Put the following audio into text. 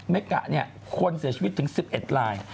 เมกะควรเสียชีวิตถึง๑๑ลาย